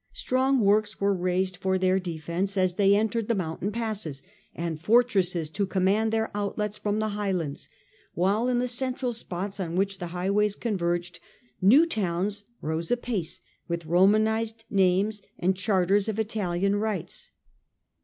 Strong works were To complete raised for their defence as they entered the {^erountry mountain passes, and fortresses to command ^ their outlets from the highlands, while in the garrisoned, central spots on which the highways converged, new towns rose apace with Romanized names and charters of Italian rights.